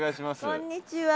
こんにちは。